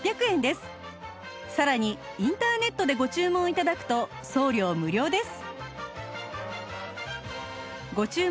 さらにインターネットでご注文頂くと送料無料です